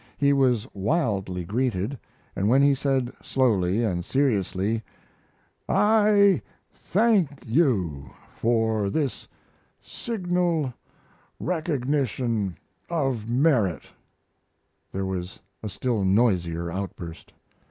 He was wildly greeted, and when he said, slowly and seriously, "I thank you for this signal recognition of merit," there was a still noisier outburst.